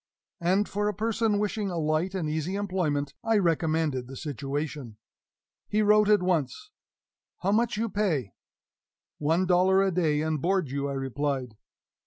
And, for a person wishing a light and easy employment, I recommended the situation. He wrote at once, "How much you pay?" "One dollar a day, and board you," I replied.